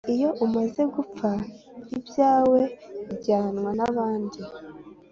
iyo umaze gupfa ibyawe bijyanwa n'abandi